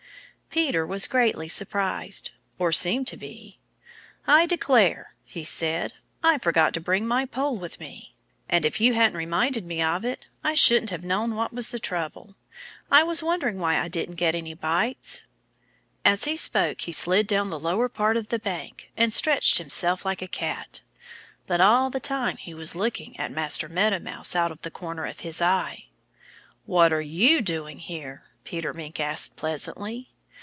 Peter was greatly surprised or seemed to be. "I declare!" he said. "I forgot to bring my pole with me. And if you hadn't reminded me of it I shouldn't have known what was the trouble. I was wondering why I didn't get any bites." As he spoke he slid down the lower part of the bank and stretched himself like a cat. But all the time he was looking at Master Meadow Mouse out of the corner of his eye. "What are you doing here?" Peter Mink asked pleasantly.